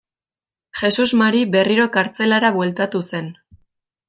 Jesus Mari berriro kartzelara bueltatu zen.